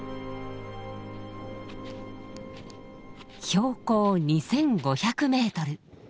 標高２，５００メートル